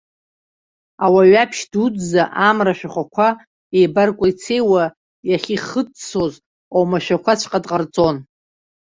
Ауаҩаԥшь дуӡӡа амра ашәахәақәа еибаркәеицеиуа иахьихьыӡсоз оумашәақәаҵәҟьа дҟарҵон.